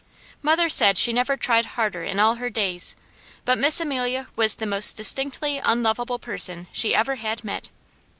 Mother said she never tried harder in all her days, but Miss Amelia was the most distinctly unlovable person she ever had met.